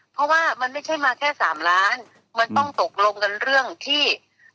เพราะว่ามันไม่ใช่มาแค่สามล้านมันต้องตกลงกันเรื่องที่